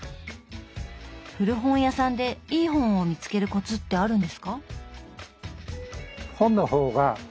古本屋さんでいい本を見つけるコツってあるんですか？